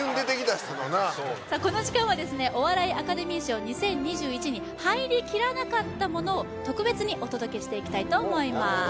ホントそうこの時間は「お笑いアカデミー賞２０２１」に入りきらなかったものを特別にお届けしていきたいと思います